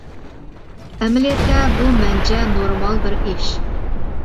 ئەمەلىيەتتە بۇ مەنچە نورمال بىر ئىش.